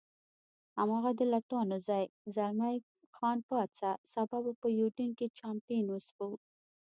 هماغه د لټانو ځای، زلمی خان پاڅه، سبا به په یوډین کې چامپېن وڅښو.